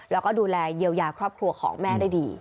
แล้วก็ดูแลเยียวยาครอบครัวของแม่ได้ดี